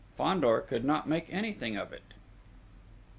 Fandor could not make anything of it!